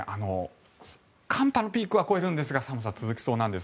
寒波のピークは越えるんですが寒さは続きそうなんです。